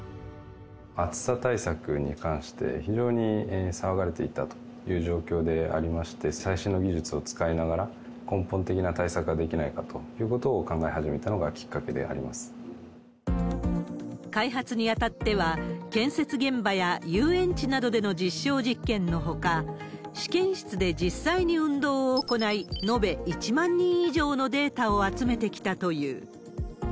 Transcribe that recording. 暑さ対策に関して、非常に騒がれていたという状況でありまして、最新の技術を使いながら、根本的な対策ができないかということを考え始めたのがきっかけで開発に当たっては、建設現場や遊園地などでの実証実験のほか、試験室で実際に運動を行い、延べ１万人以上のデータを集めてきたという。